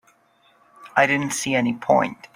I didn't see any point.